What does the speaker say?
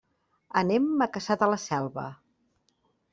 Anem a Cassà de la Selva.